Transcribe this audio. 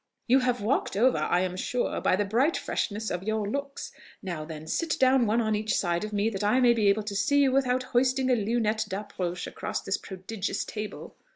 "You have walked over, I am sure, by the bright freshness of your looks. Now, then, sit down one on each side of me, that I may be able to see you without hoisting a lunette d'approche across this prodigious table."